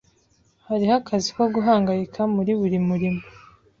Hariho akazi ko guhangayika muri buri murimo.